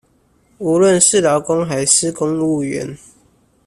無論是勞工還是公務員